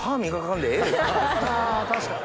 あ確かに。